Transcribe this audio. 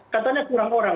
katanya kurang orang